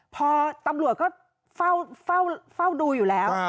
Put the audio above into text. พอตำรวจก็เฝ้าดูอยู่แล้ว